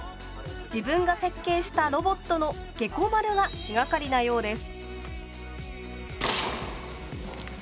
自分が設計したロボットのゲコ丸が気がかりなようです。